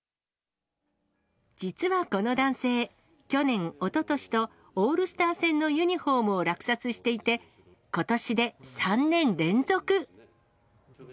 実はこの男性、去年、おととしと、オールスター戦のユニホームを落札していて、ことしで３年連続。